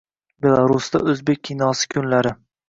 Belarusda “O‘zbek kinosi kunlari”